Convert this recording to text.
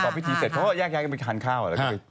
ประกอบพิธีเสร็จเพราะแยกเป็นคันข้าว